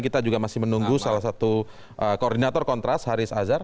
kita juga masih menunggu salah satu koordinator kontras haris azhar